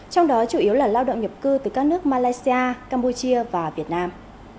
trong đó chủ yếu là lao động nhập cư từ các nước malaysia campuchia và việt nam